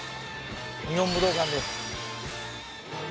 日本武道館です。